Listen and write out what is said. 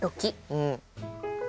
うん。